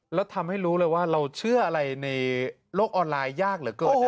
แล้วทำให้รู้เลยว่าเราเชื่ออะไรในโลกออนไลน์ยากเหลือเกินนะ